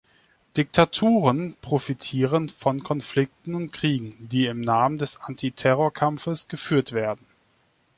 Diktaturen profitierten von Konflikten und Kriegen, die im Namen des Anti-Terror-Kampfes geführt werden.